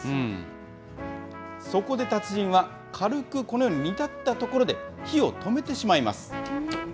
そこで達人は、軽くこのように煮立ったところで火を止めてしまいます。